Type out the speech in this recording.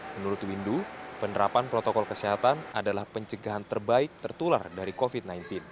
menurut windu penerapan protokol kesehatan adalah pencegahan terbaik tertular dari covid sembilan belas